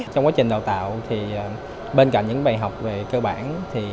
trong quá trình đào tạo bên cạnh những bài học về cơ bản